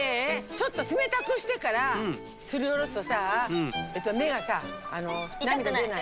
ちょっと冷たくしてからすりおろすとさめがさなみだでない。